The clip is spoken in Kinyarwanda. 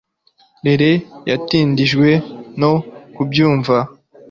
Rere yatindijwe no kubyumva,